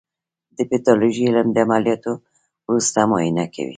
د پیتالوژي علم د عملیاتو وروسته معاینه کوي.